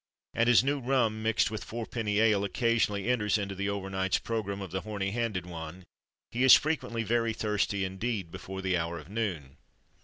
And as new rum mixed with four penny ale occasionally enters into the over night's programme of the horny handed one, he is frequently very thirsty indeed before the hour of noon.